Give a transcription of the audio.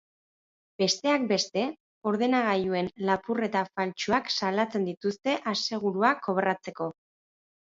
Besteak beste, ordenagailuen lapurreta faltsuak salatzen dituzte asegurua kobratzeko.